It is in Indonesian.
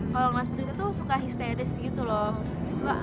kalau ngeliat sepatu kita tuh suka histeris gitu loh